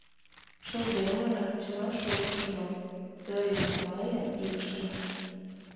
Шылдемырын чыла шочшыжо — тыйын, мыйын икшыве.